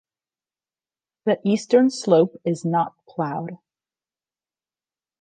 The eastern slope is not plowed.